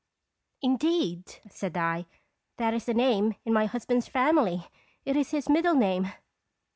" Indeed!" said I; "that is a name in my husband's family. It is his middle name."